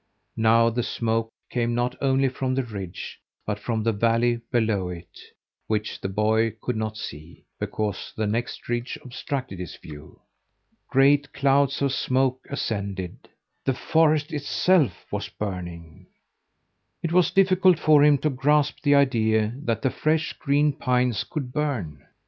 Now the smoke came not only from the ridge, but from the valley below it, which the boy could not see, because the next ridge obstructed his view. Great clouds of smoke ascended; the forest itself was burning! It was difficult for him to grasp the idea that the fresh, green pines could burn.